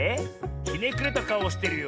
ひねくれたかおをしてるよ。